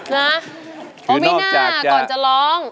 นะโอมิน่าก่อนจะร้อง